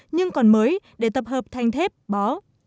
nhưng còn mới để tập hợp thanh thép bó